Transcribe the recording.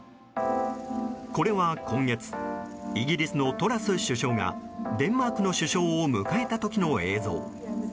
これは今月イギリスのトラス首相がデンマークの首相を迎えた時の映像。